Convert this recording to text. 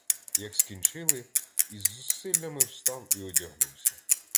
Як скінчили, із зусиллями встав і одягнувся.